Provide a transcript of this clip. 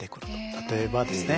例えばですね